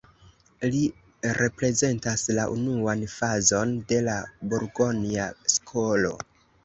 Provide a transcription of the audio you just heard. Li reprezentas la unuan fazon de la burgonja skolo.